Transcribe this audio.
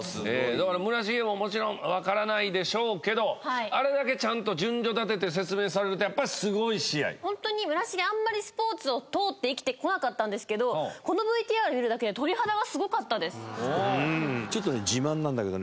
だから村重ももちろんわからないでしょうけどあれだけちゃんと順序立ててホントに村重あんまりスポーツを通って生きてこなかったんですけどこのＶＴＲ見るだけでちょっとね自慢なんだけどね